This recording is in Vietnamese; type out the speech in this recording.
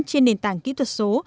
trên nền tảng kỹ thuật số